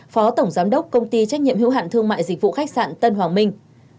phó tổng giám đốc công ty trách nhiệm hữu hạn thương mại dịch vụ khách sạn tân hoàng minh